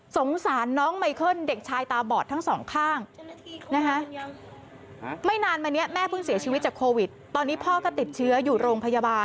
สงสารน้องไหมเคิลเด็กชายตาบอดทั้งสองข้าง